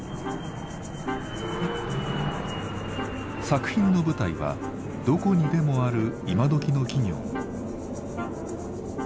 作品の舞台はどこにでもある今どきの企業。